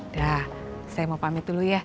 dah saya mau pamit dulu ya